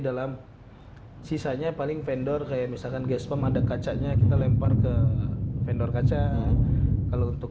dalam sisanya paling vendor kayak misalkan gaspam ada kacanya kita lempar ke vendor kaca kalau untuk